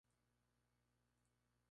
Michael luce preocupado.